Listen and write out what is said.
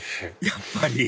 やっぱり！